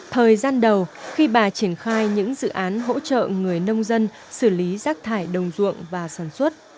thời gian đầu khi bà triển khai những dự án hỗ trợ người nông dân xử lý rác thải đồng ruộng và sản xuất